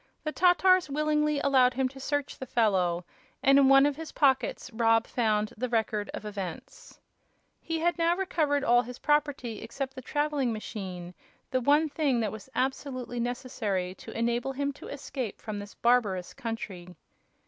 The Tatars willingly allowed him to search the fellow, and in one of his pockets Rob found the Record of Events. He had now recovered all his property, except the traveling machine, the one thing that was absolutely necessary to enable him to escape from this barbarous country.